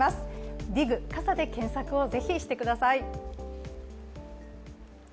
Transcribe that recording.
ＤＩＧ 傘で検索をぜひしてください。